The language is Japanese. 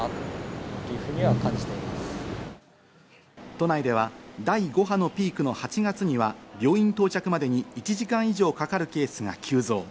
都内では第５波のピークの８月には病院到着までに１時間以上かかるケースが急増。